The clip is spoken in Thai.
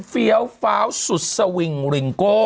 เฟียวเฟ้าสุดสวิงลิงโก